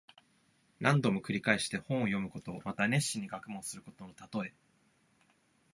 何度も繰り返して本を読むこと。また熱心に学問することのたとえ。